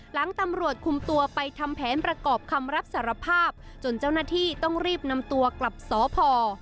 หลังตำรวจคุมตัวไปทำแผนประกอบคำรับสารภาพจนเจ้าหน้าที่ต้องรีบนำตัวกลับสพ